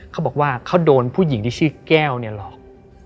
เขาบอกว่าเขาโดนผู้หญิงที่ชื่อแก้วเนี่ยหลอก